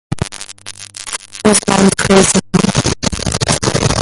The decision was met with criticism.